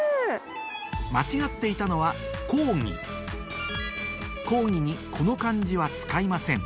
間違っていたのは「講議」「講義」にこの漢字は使いません